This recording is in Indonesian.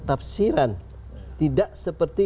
tapsiran tidak seperti